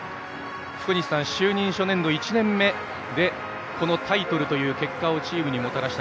福西さん、就任初年度１年目でこのタイトルという結果をチームにもたらした。